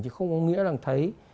chứ không có nghĩa là thấy